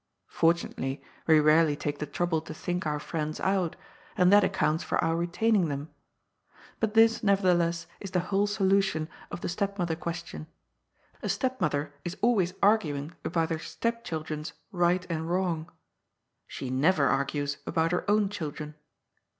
Fortunately, we rarely take the trouble to think our friends out, and that accounts for our retaining them. But this, nevertheless, is the whole solution of the stepmother question. A step mother is always arguing about her stepchildren's right and wrong. She never argues about her own children.